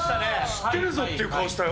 知ってるぞっていう顔したよ。